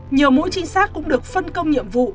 nhiều mũi trinh sát cũng được phân công nhiệm vụ